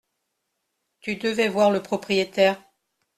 Tu devais voir le propriétaire.